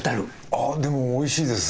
あっでもおいしいです。